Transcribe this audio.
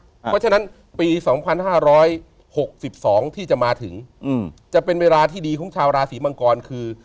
เพราะฉะนั้นปี๒๕๖๒ที่จะมาถึงจะเป็นเวลาที่ดีของชาวราศีมังกรคือ